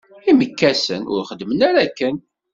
Imekkasen, ur xeddmen ara akken?